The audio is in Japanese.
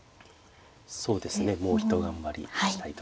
そうですねもう一頑張りしたいところですね。